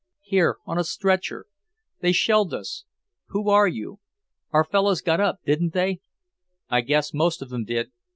"Here, on a stretcher. They shelled us. Who are you? Our fellows got up, didn't they?" "I guess most of them did.